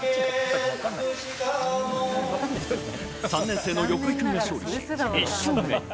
３年生に横井君が勝利し、１勝目。